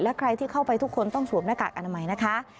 และใครที่เข้าไปทุกคนต้องสวมหน้ากากอนามัยนะคะ